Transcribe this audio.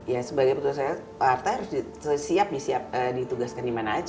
ya sebagai petugas partai harus siap ditugaskan dimana aja